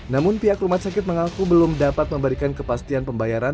namun pihak rumah sakit mengaku belum dapat memberikan kepastian pembayaran